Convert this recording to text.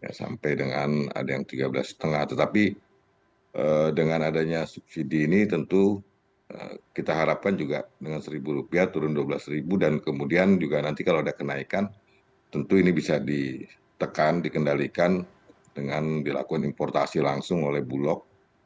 ya sampai dengan ada yang rp tiga belas lima tetapi dengan adanya subsidi ini tentu kita harapkan juga dengan rp satu turun dua belas dan kemudian juga nanti kalau ada kenaikan tentu ini bisa ditekan dikendalikan dengan dilakukan importasi langsung oleh bulog